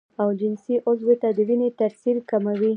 او جنسي عضو ته د وينې ترسيل کموي